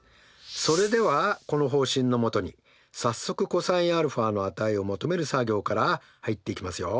それではこの方針のもとに早速ｃｏｓαの値を求める作業から入っていきますよ。